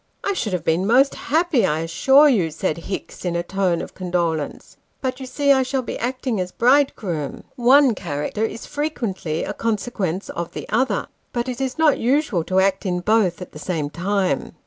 " I should have been most happy, I assure you," said Hicks, in a tone of condolence ;" but, you see, I shall be acting as bridegroom. One character is frequently a consequence of the other ; but it is not usual to act in both at the same time.